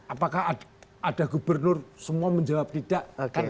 apakah ada gubernur semua menjawab tidak